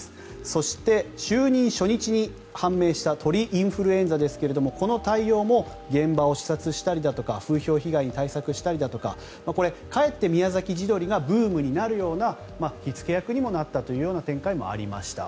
そして、就任初日に判明した鳥インフルエンザですがこの対応も現場を視察したりだとか風評被害の対策をしたりだとかかえって宮崎地鶏がブームになるような火付け役にもなったという展開もありました。